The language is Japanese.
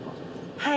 はい。